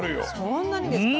そんなにですか？